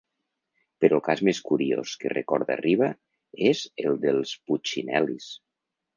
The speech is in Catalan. Però el cas més curiós que recorda Riba és el dels "putxinel·lis".